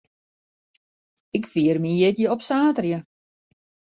Ik fier myn jierdei op saterdei.